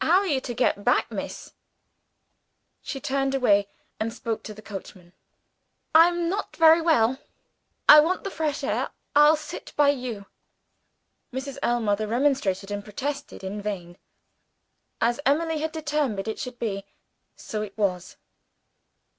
"How are you to get back, miss?" She turned away and spoke to the coachman. "I am not very well. I want the fresh air I'll sit by you." Mrs. Ellmother remonstrated and protested, in vain. As Emily had determined it should be, so it was.